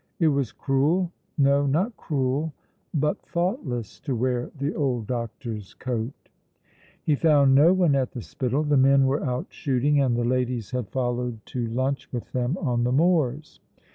It was cruel, no, not cruel, but thoughtless, to wear the old doctor's coat. He found no one at the Spittal. The men were out shooting, and the ladies had followed to lunch with them on the moors.